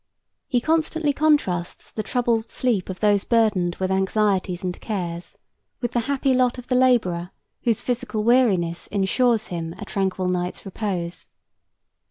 He constantly contrasts the troubled sleep of those burdened with anxieties and cares, with the happy lot of the laborer whose physical weariness insures him a tranquil night's repose.